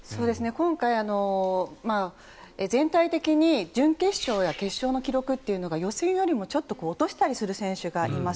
今回、全体的に準決勝や決勝の記録というのが予選よりもちょっと落としたりする選手がいます。